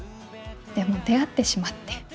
でも出会ってしまって。